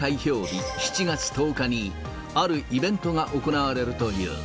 日、７月１０日にあるイベントが行われるという。